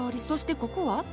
そしてここは？